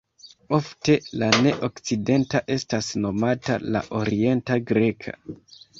Ofte la ne-okcidenta estas nomata la Orienta Greka.